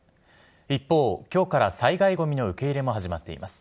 一方、きょうから災害ごみの受け入れも始まっています。